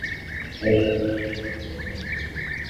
হেই, Max, খুব মনে পড়ছিল তোমার কথা!